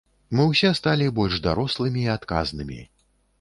Мы ўсе сталі больш дарослымі і адказнымі.